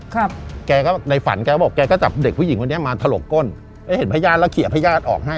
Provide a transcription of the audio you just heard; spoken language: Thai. ค่ะแกก็ในฝันแกบอกแกก็จับเด็กผู้หญิงคนเนี้ยมาถรกก้นเพื่อเห็นพิจารณ์แล้วเขียนพิจารณ์ออกให้